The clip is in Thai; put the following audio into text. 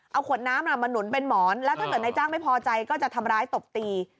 เอาขวดน้ำมาหนุนเป็นหมอนแล้วถ้าเกิดนายจ้างไม่พอใจก็จะทำร้ายตบตี